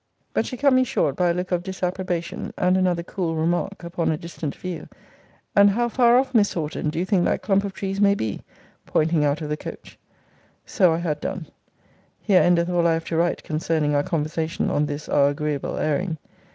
But she cut me short by a look of disapprobation, and another cool remark upon a distant view; and, How far off, Miss Horton, do you think that clump of trees may be? pointing out of the coach. So I had done. Here endeth all I have to write concerning our conversation on this our agreeable airing.